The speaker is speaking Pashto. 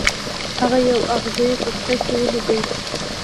هغه یو اغزی په پښه کې ولید.